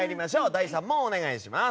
第３問、お願いします。